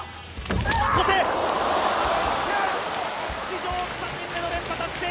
史上３人目の連覇達成！